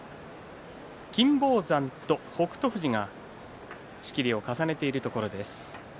金峰山と北勝富士が仕切りを重ねているところです。